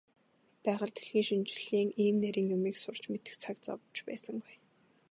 Байгаль дэлхийн шинжлэлийн ийм нарийн юмыг сурч мэдэх цаг зав ч байсангүй.